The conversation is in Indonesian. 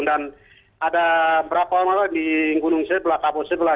dan ada berapa orang lagi di gunung kabo sebelah